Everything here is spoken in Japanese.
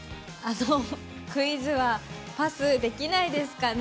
クイズはパスできないですかね？